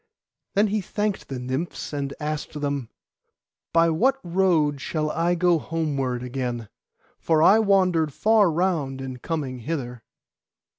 Then he thanked the Nymphs, and asked them, 'By what road shall I go homeward again, for I wandered far round in coming hither?